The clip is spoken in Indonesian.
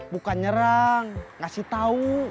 bukan nyerang ngasih tau